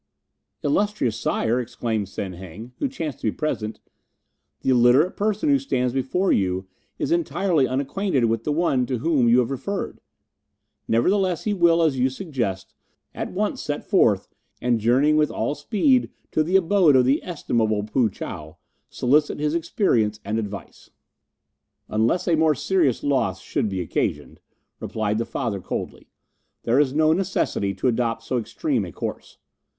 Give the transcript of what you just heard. "'Illustrious sire,' exclaimed Sen Heng, who chanced to be present, 'the illiterate person who stands before you is entirely unacquainted with the one to whom you have referred; nevertheless, he will, as you suggest, at once set forth, and journeying with all speed to the abode of the estimable Poo chow, solicit his experience and advice.' "'Unless a more serious loss should be occasioned,' replied the father coldly, 'there is no necessity to adopt so extreme a course.